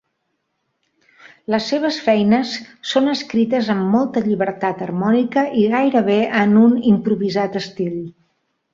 Les seves feines són escrites amb molta llibertat harmònica i gairebé en un improvisat estil.